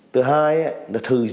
thứ hai là thử dụng